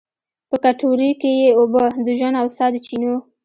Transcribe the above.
په کټورې کې یې اوبه، د ژوند او سا د چېنو